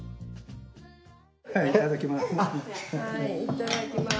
いただきます。